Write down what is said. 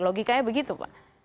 logikanya begitu pak